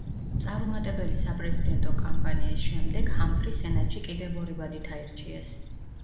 წარუმატებელი საპრეზიდენტო კამპანიი შემდეგ ჰამფრი სენატში კიდევ ორი ვადით აირჩიეს.